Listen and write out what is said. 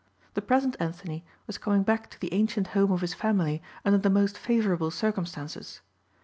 The present Anthony was coming back to the ancient home of his family under the most favorable circumstances.